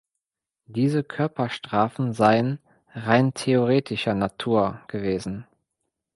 Diese Körperstrafen seien „rein theoretischer Natur“ gewesen.